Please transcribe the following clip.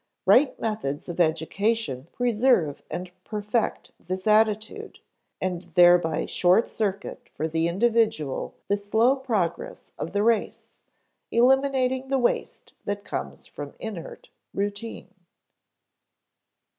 Right methods of education preserve and perfect this attitude, and thereby short circuit for the individual the slow progress of the race, eliminating the waste that comes from inert routine.